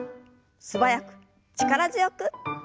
素早く力強く。